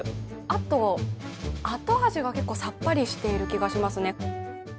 あと、後味が結構さっぱりしている気がしますね。